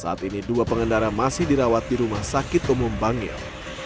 saat ini dua pengendara masih dirawat di rumah sakit umum bangil